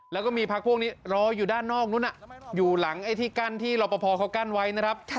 แล้วก็มีพักพวกนี้รออยู่ด้านนอกนู้นอยู่หลังไอ้ที่กั้นที่รอปภเขากั้นไว้นะครับ